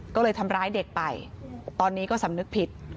ก็เลยทำร้ายเด็กไปตอนนี้ก็สำนึกผิด